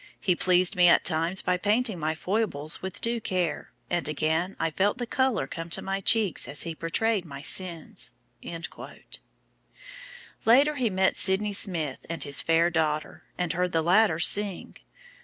He pleased me at times by painting my foibles with due care, and again I felt the colour come to my cheeks as he portrayed my sins." Later, he met Sydney Smith and his "fair daughter," and heard the latter sing.